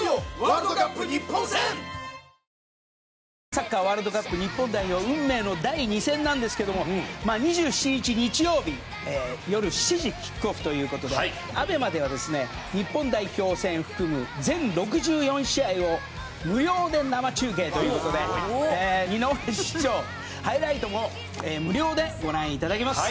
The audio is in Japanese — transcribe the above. サッカーワールドカップ日本代表運命の第２戦なんですけども２７日日曜日よる７時キックオフという事でＡＢＥＭＡではですね日本代表戦含む全６４試合を無料で生中継という事で見逃し視聴ハイライトも無料でご覧頂けます。